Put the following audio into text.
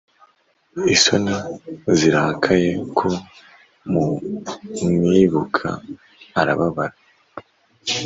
isoni zirakaye ko mumwibuka arababara?